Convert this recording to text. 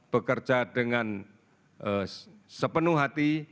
bekerja dengan sepenuh hati